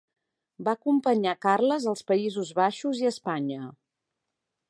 Va acompanyar Carles als Països Baixos i Espanya.